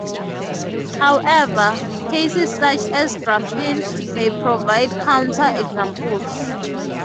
However, cases such as graphene may provide counter-examples.